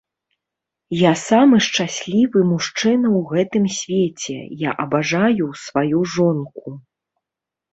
Я самы шчаслівы мужчына ў гэтым свеце, я абажаю сваю жонку.